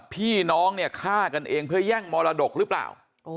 พี่น้องเนี่ยฆ่ากันเองเพื่อแย่งมรดกหรือเปล่า